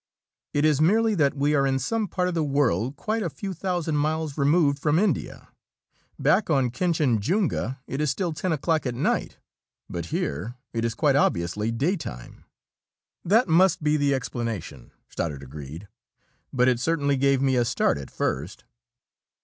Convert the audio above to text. "It is merely that we are in some part of the world quite a few thousand miles removed from India. Back on Kinchinjunga, it is still ten o'clock at night, but here, it is quite obviously daytime." "That must be the explanation," Stoddard agreed. "But it certainly gave me a start at first!"